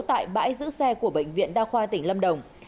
tại bãi giữ xe của bệnh viện đa khoa tỉnh lâm đồng